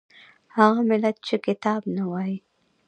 هغه ملت چې کتاب نه وايي